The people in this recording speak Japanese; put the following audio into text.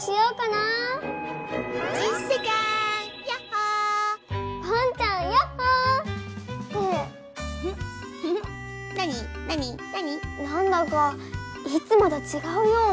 なんだかいつもとちがうような。